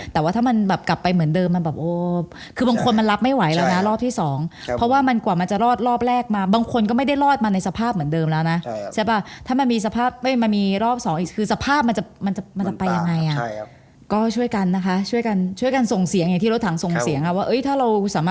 แต่ว่าถ้ามันแบบกลับไปเหมือนเดิมมันแบบโอ้คือบางคนมันรับไม่ไหวแล้วนะรอบที่สองเพราะว่ามันกว่ามันจะรอดรอบแรกมาบางคนก็ไม่ได้รอดมาในสภาพเหมือนเดิมแล้วนะใช่ป่ะถ้ามันมีสภาพไม่มามีรอบสองอีกคือสภาพมันจะมันจะไปยังไงอ่ะใช่ครับก็ช่วยกันนะคะช่วยกันช่วยกันส่งเสียงอย่างที่รถถังส่งเสียงอ่ะว่าเอ้ยถ้าเราสามารถ